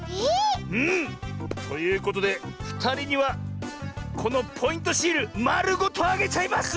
うん。ということでふたりにはこのポイントシールまるごとあげちゃいます！